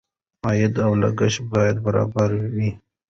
عاید او لګښت باید برابر وي.